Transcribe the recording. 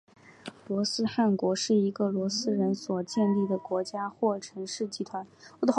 罗斯汗国是一个由罗斯人所建立的国家或城市集团。